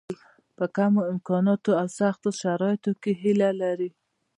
په کمو امکاناتو او سختو شرایطو کې هیله لري.